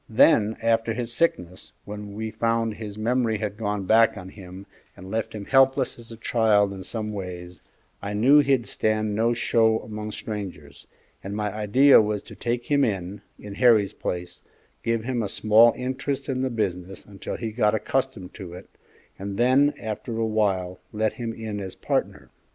Then, after his sickness, when we found his memory had gone back on him and left him helpless as a child in some ways, I knew he'd stand no show among strangers, and my idea was to take him in, in Harry's place, give him a small interest in the business until he got accustomed to it, and then after a while let him in as partner.